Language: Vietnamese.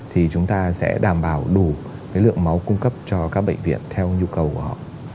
thì chúng ta sẽ đảm bảo đủ lượng máu cung cấp cho các bệnh viện theo nhu cầu của họ